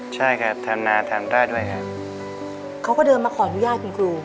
ใช่ครับทานนาทานได้ด้วยครับเขาก็เดินมาขออนุญาตคุณครู